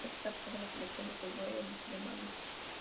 Es el capitán de la selección de fútbol de Malí.